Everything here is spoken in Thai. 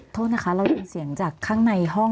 โทษนะคะเราได้ยินเสียงจากข้างในห้อง